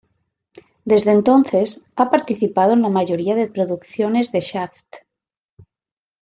Desde entonces, ha participado en la mayoría de producciones de Shaft.